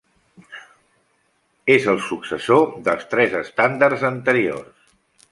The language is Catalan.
És el successor dels tres estàndards anteriors.